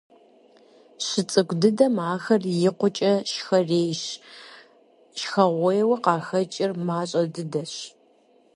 ЩыцӀыкӀу дыдэм ахэр икъукӀэ шхэрейщ, шхэгъуейуэ къахэкӀыр мащӀэ дыдэщ.